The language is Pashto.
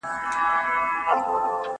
ستا وینا راته پیدا کړه دا پوښتنه!!